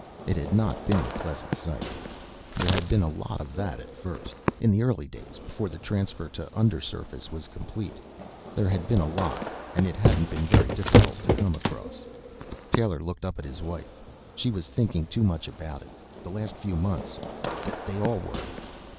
It had not been a pleasant sight. There had been a lot of that at first, in the early days before the transfer to undersurface was complete. There had been a lot, and it hadn't been very difficult to come across it. Taylor looked up at his wife. She was thinking too much about it, the last few months. They all were.